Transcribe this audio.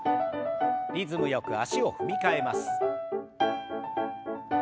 リズムよく足を踏み替えます。